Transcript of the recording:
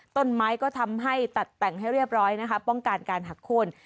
ต้นไม้ก็ทำให้ตัดแต่งให้เรียบร้อยนะคะป้องกันการหักโค้น